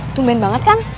tumben banget kan